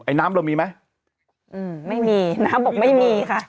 น้ำเรามีไหมอืมไม่มีน้ำบอกไม่มีค่ะ